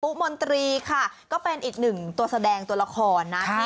มนตรีค่ะก็เป็นอีกหนึ่งตัวแสดงตัวละครนะ